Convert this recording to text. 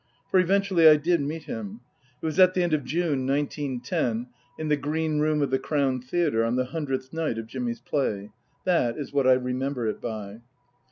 For eventually I did meet him. It was at the end of June, nineteen ten, in the green room of the Crown Theatre on the hundredth night of Jimmy's play. That is what I remember it by.